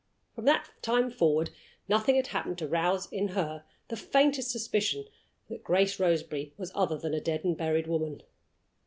From that time forward nothing had happened to rouse in her the faintest suspicion that Grace Roseberry was other than a dead and buried woman.